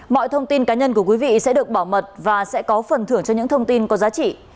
mọi thông tin cá nhân của quý vị sẽ được bảo mật và sẽ có phần thưởng cho những thông tin có giá trị